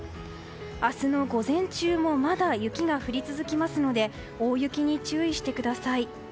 明日の午前中もまだ雪が降り続きますので大雪に注意してください。